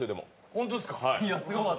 ホントっすか。